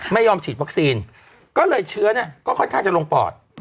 ไม่ยอมฉีดวัคซีนก็เลยเชื้อเนี่ยก็ค่อนข้างจะลงปอด